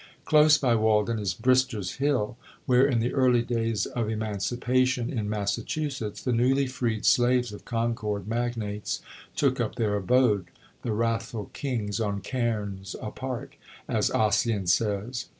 Close by Walden is Brister's Hill, where, in the early days of emancipation in Massachusetts, the newly freed slaves of Concord magnates took up their abode, "The wrathful kings on cairns apart," as Ossian says.